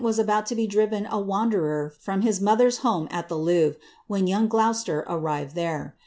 was about to be driven a wanderer from his mother's le at the Louvre, when young Gloucester arrived there.